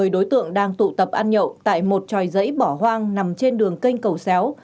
một mươi đối tượng đang tụ tập ăn nhậu tại một tròi giấy bỏ hoang nằm trên đường kênh cầu xéo